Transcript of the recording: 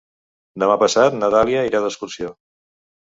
Demà passat na Dàlia irà d'excursió.